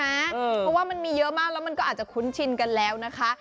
เพราะว่ามันมีเยอะมากแล้วมันก็อาจจะคุ้นชินกันแล้วนะคะ